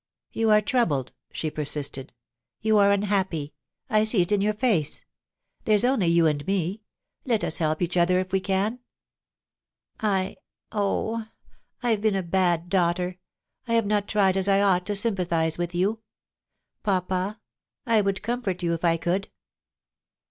' You are troubled,' she persisted ;* you are unhappy ; I see it in your face. There's only you and me ; let us help each other if we can. ... I — oh ! I have been a bad daughter ; I have not tried as I ought to sympathise with you. ... Papa, I would comfort you if I could.'